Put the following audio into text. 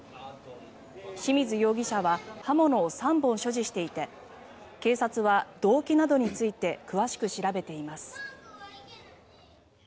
清水容疑者は刃物を３本所持していて警察は動機などについて詳しく調べています。